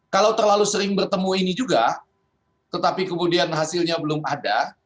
kalau terlalu sering bertemu ini juga tetapi kemudian hasilnya belum ada